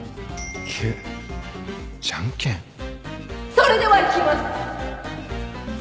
それではいきます！